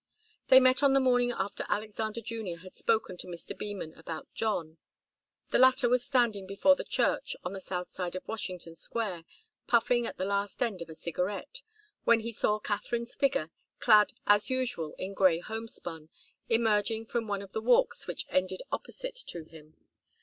They met on the morning after Alexander Junior had spoken to Mr. Beman about John. The latter was standing before the church on the south side of Washington Square, puffing at the last end of a cigarette, when he saw Katharine's figure, clad, as usual, in grey homespun, emerging from one of the walks which ended opposite to him.